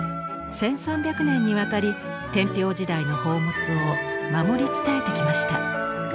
１，３００年にわたり天平時代の宝物を守り伝えてきました。